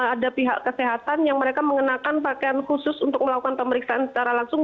ada pihak kesehatan yang mereka mengenakan pakaian khusus untuk melakukan pemeriksaan secara langsung